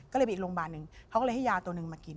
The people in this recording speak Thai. ก็เลยไปอีกโรงพยาบาลหนึ่งเขาก็เลยให้ยาตัวหนึ่งมากิน